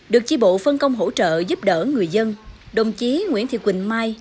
được chi bộ phân công hỗ trợ giúp đỡ người dân đồng chí nguyễn thị quỳnh mai